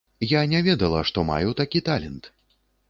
Я не ведала, што маю такі талент.